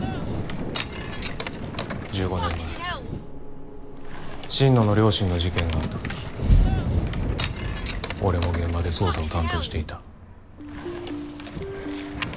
１５年前心野の両親の事件があった時俺も現場で捜査を担当していた。